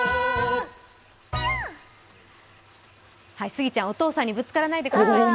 スギちゃん、お父さんにぶつからないでくださいね。